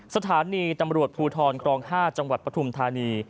สถานีตำรวจภูทรครอง๕จังหวัดปฐุมธานี